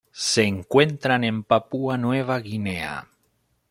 Se encuentran en Papúa Nueva Guinea.